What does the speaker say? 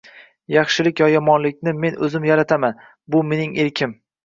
Yaxshilik yo yomonlikni men o`zim yarataman, bu mening erkim